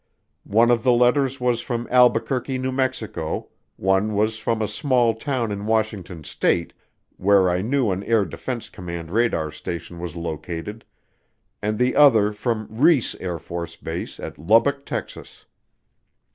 One of the letters was from Albuquerque, New Mexico, one was from a small town in Washington State, where I knew an Air Defense Command radar station was located, and the other from Reese AFB at Lubbock, Texas.